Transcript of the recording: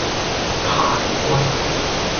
排骨